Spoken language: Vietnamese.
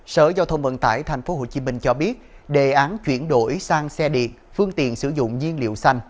sở giao thông vận tải tp hcm cho biết đề án chuyển đổi sang xe điện phương tiện sử dụng nhiên liệu xanh